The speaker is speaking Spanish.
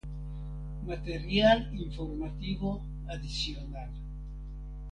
Material Informativo Adicional